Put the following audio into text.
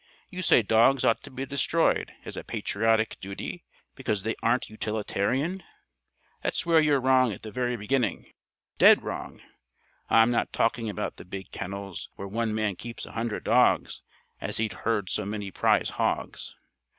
You say dogs ought to be destroyed as a patriotic duty because they aren't utilitarian. There's where you're wrong at the very beginning. Dead wrong. I'm not talking about the big kennels where one man keeps a hundred dogs as he'd herd so many prize hogs.